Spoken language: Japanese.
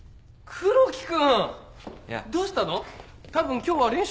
黒木君！